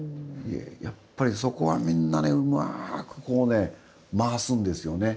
やっぱり、そこはみんなねうまく回すんですよね。